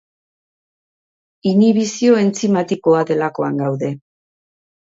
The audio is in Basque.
Inhibizio entzimatikoa delakoan gaude.